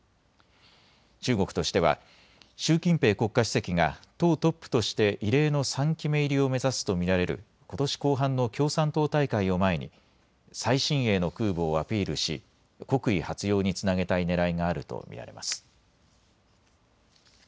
中国としては習近平国家主席が党トップとして異例の３期目入りを目指すと見られることし後半の共産党大会を前に、最新鋭の空母をアピールし国威発揚につなげたいねらいがあると見られます。